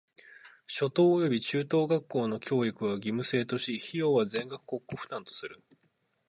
初等および中等学校の教育は義務制とし、費用は全額国庫負担とする。